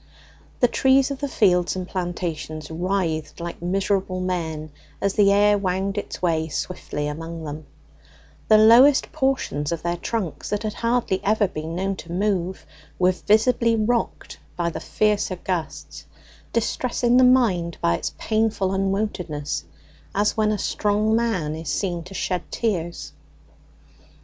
The trees of the fields and plantations writhed like miserable men as the air wound its way swiftly among them: the lowest portions of their trunks, that had hardly ever been known to move, were visibly rocked by the fiercer gusts, distressing the mind by its painful unwontedness, as when a strong man is seen to shed tears.